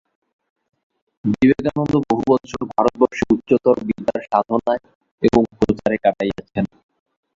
বিবে কানন্দ বহু বৎসর ভারতবর্ষে উচ্চতর বিদ্যার সাধনায় এবং প্রচারে কাটাইয়াছেন।